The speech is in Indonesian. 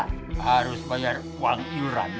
harus bayar uang iluran